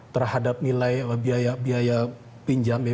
terhadap nilai biaya pinjam